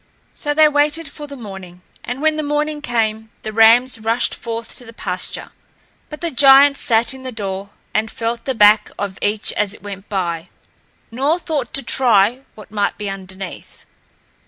So they waited for the morning. And when the morning came, the rams rushed forth to the pasture; but the giant sat in the door and felt the back of each as it went by, nor thought to try what might be underneath.